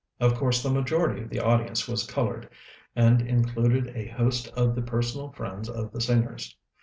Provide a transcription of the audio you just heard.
Of course the majority of the audience was colored, and included a host of the personal friends of the singers.